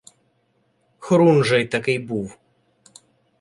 — Хорунжий такий був.